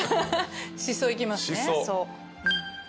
シソいきますね。